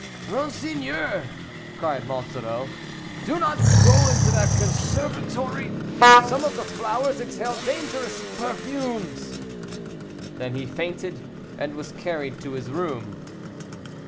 "Monseigneur!" cried Monsoreau, "do not go into that conservatory, some of the flowers exhale dangerous perfumes." Then he fainted, and was carried to his room.